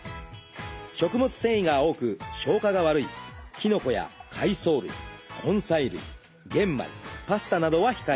食物繊維が多く消化が悪いきのこや海藻類根菜類玄米パスタなどは控えめに。